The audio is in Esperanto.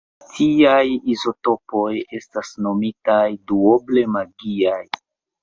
Tiaj izotopoj estas nomitaj "duoble magiaj".